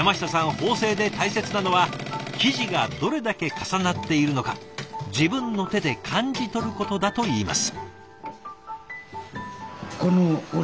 縫製で大切なのは生地がどれだけ重なっているのか自分の手で感じ取ることだと言います。